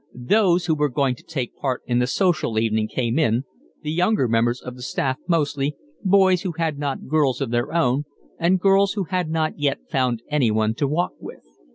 Those who were going to take part in the social evening came in, the younger members of the staff mostly, boys who had not girls of their own, and girls who had not yet found anyone to walk with.